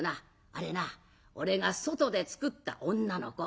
あれな俺が外でつくった女の子。